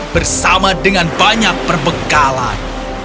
bersama dengan banyak perbekalan